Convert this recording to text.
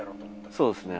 そうですね。